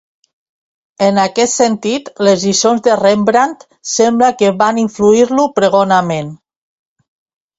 En aquest sentit, les lliçons de Rembrandt sembla que van influir-lo pregonament.